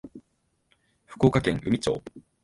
福岡県宇美町